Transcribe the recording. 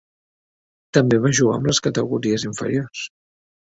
També va jugar amb les categories inferiors.